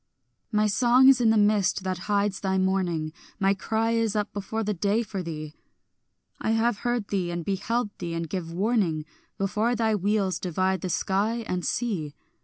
My song is in the mist that hides thy morning, My cry is up before the day for thee; I have heard thee and beheld thee and give warning, Before thy wheels divide the sky and sea.